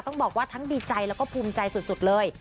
ต้องบอกว่าทั้งดีใจแล้วก็ภูมิใจสุดเลย